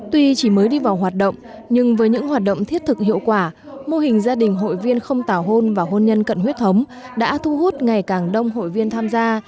tuy chỉ mới đi vào hoạt động nhưng với những hoạt động thiết thực hiệu quả mô hình gia đình hội viên không tào hôn và hôn nhân cận huyết thống đã thu hút ngày càng đông hội viên tham gia